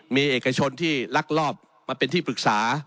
มีเอกชนที่ลักลอบมาเป็นที่ปรึกษา